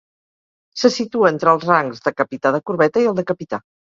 Se situa entre els rangs de Capità de corbeta i el de Capità.